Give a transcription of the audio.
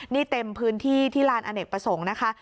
นี่เต็มพื้นที่ที่ลานอเนกประสงค์นะคะ